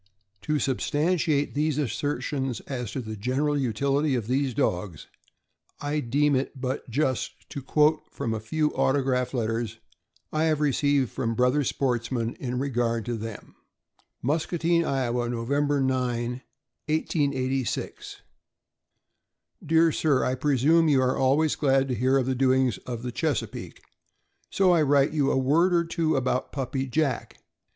To substantiate these assertions as to the general utility of these dogs, I deem it but just to quote from a few auto graph letters I have received from brother sportsmen in regard to them: 364 THE AMERICAN BOOK OF THE DOG. "MTJSCATINE, IOWA, Nov.C, 1886. 1 1 Dear Sir: I presume you are always glad to hear of the doings of the Chesapeake, so I write you a word or two about the puppy Jack.